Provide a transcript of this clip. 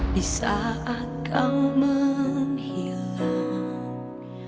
di saat kau menghilang